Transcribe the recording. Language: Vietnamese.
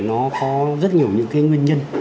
nó có rất nhiều những cái nguyên nhân